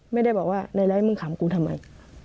ไม่ได้บอกว่าไลท์มึงขำกูทำไม